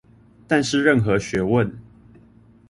但是任何學問